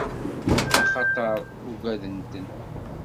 Axaṭer ugwaden-ten.